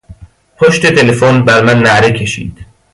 پشت تلفن بر من نعره کشید.